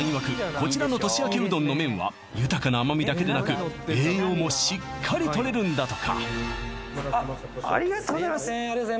こちらの年明けうどんの麺は豊かな甘みだけでなく栄養もしっかりとれるんだとかあっありがとうございますすいません